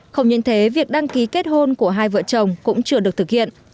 không những thế việc đăng ký kết hôn của hai vợ chồng cũng chưa được thực hiện